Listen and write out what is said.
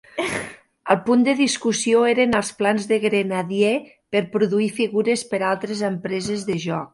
El punt de discussió eren els plans de Grenadier per produir figures per a altres empreses de jocs.